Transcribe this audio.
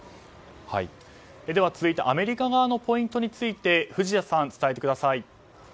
では続いてアメリカ側のポイントについて藤田さん、伝えてください。